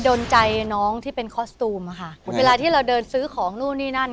โดนใจน้องที่เป็นคอสตูมอะค่ะเวลาที่เราเดินซื้อของนู่นนี่นั่น